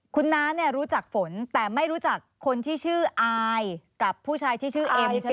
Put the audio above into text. คุณน้าเนี่ยรู้จักฝนแต่ไม่รู้จักคนที่ชื่ออายกับผู้ชายที่ชื่อเอ็มใช่ไหม